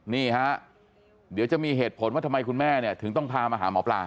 นี่ฮะเดี๋ยวจะมีเหตุผลว่าทำไมคุณแม่เนี่ยถึงต้องพามาหาหมอปลา